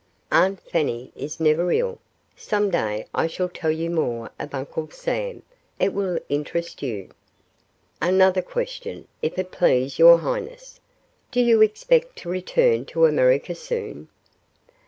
"Aunt Fanny is never ill. Some day I shall tell you more of Uncle Sam. It will interest you." "Another question, if it please your highness. Do you expect to return to America soon?"